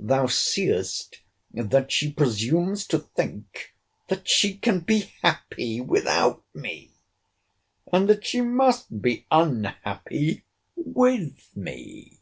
—Thou seest, that she presumes to think that she can be happy without me; and that she must be unhappy with me!